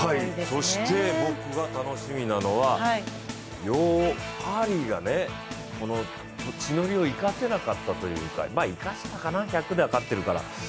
そして僕が楽しみなのはカーリーがね、地の利を生かせなかったというかいや、生かせたかな１００ｍでは勝ってるから。